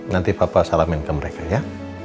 nanti papa salamin ke mereka ya